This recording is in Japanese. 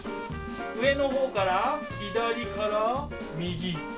上の方から左から右。